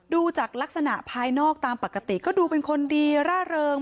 ดูจากลักษณะภายนอกตามปกติก็ดูเป็นคนดีร่าเริง